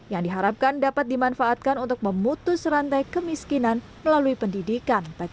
yang diharapkan dapat dimanfaatkan untuk memutus rantai kemiskinan melalui pendidikan